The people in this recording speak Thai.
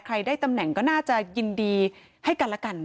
ได้ตำแหน่งก็น่าจะยินดีให้กันแล้วกัน